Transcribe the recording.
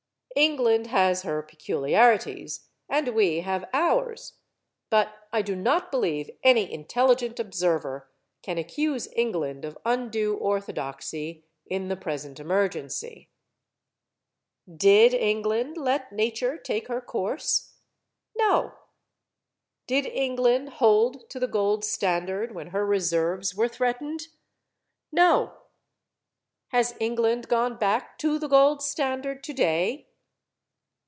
England has her peculiarities and we have ours but I do not believe any intelligent observer can accuse England of undue orthodoxy in the present emergency. Did England let nature take her course? No. Did England hold to the gold standard when her reserves were threatened? No. Has England gone back to the gold standard today?